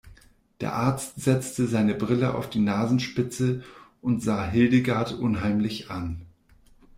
Der Arzt setzte seine Brille auf die Nasenspitze und sah Hildegard unheimlich an.